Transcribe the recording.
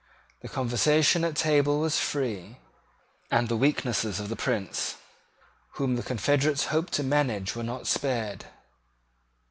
The conversation at table was free; and the weaknesses of the prince whom the confederates hoped to manage were not spared.